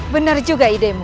benar juga idemu